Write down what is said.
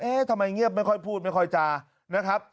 ทำไมเงียบไม่ค่อยพูดไม่ค่อยจานะครับ